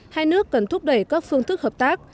hai nước cần thúc đẩy các phương thức hợp tác